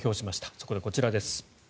そこでこちらです。